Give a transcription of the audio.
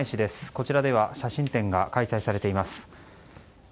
こちらでは写真展が開催されています。